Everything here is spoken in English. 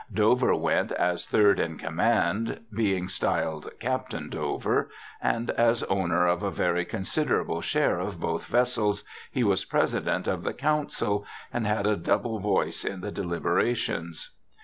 Dover went as third in command, being styled Captain Dover, and as owner of a very considerable share of both vessels he was president of the Council, and had a double voice in the dehbera tions.